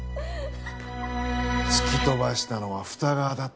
突き飛ばしたのは二川だったのか。